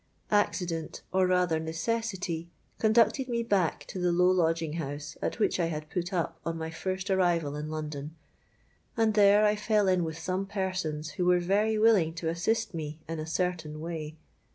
Accident, or rather necessity, conducted me back to the low lodging house at which I had put up on my first arrival in London; and there I fell in with some persons who were very willing to assist me in a certain way.